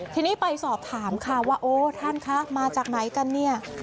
ทีนี้ไปสอบถามค่ะว่าโอ้ท่านคะมาจากไหนกันเนี่ย